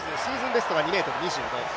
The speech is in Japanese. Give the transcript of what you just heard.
ベストが２ｍ２５です。